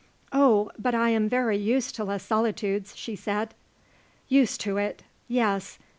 "Oh, but I am very used to Les Solitudes," she said. "Used to it. Yes.